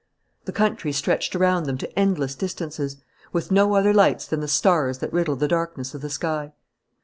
The country stretched around them to endless distances, with no other lights than the stars that riddled the darkness of the sky.